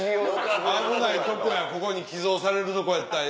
危ないとこやここに寄贈されるとこやった。